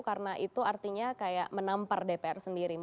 karena itu artinya kayak menampar dpr sendiri